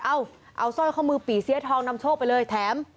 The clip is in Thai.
เอาเอาสร้อยข้อมือปี่เสียทองนำโชคไปเลยแถม